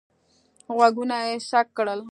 غوږونه یې څک کړل.